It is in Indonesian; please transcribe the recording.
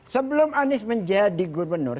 sebelum anis menjadi gubernur